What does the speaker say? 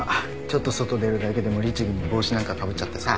ちょっと外出るだけでも律義に帽子なんかかぶっちゃってさ。